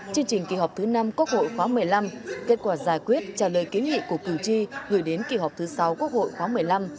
chương trình kỳ họp thứ năm quốc hội khóa một mươi năm kết quả giải quyết trả lời kiến nghị của cử tri gửi đến kỳ họp thứ sáu quốc hội khoáng một mươi năm